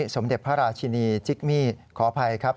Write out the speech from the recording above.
สมเด็จพระราชินีจิกมี่ขออภัยครับ